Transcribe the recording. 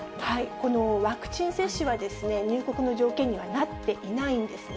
このワクチン接種は、入国の条件にはなっていないんですね。